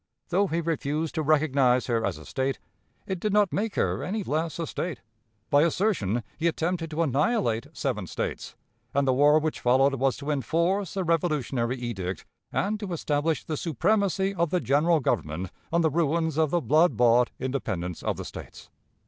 Though he refused to recognize her as a State, it did not make her any less a State. By assertion, he attempted to annihilate seven States; and the war which followed was to enforce the revolutionary edict, and to establish the supremacy of the General Government on the ruins of the blood bought independence of the States.